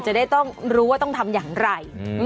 จะได้ต้องรู้ว่าต้องทำอย่างไร